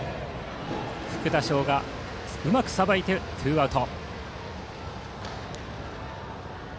福田翔がうまくさばいてツーアウト。